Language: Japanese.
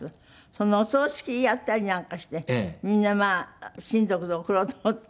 そのお葬式やったりなんかしてみんな親族で送ろうと思っていた。